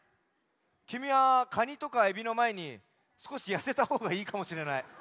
きみはカニとかエビのまえにすこしやせたほうがいいかもしれない。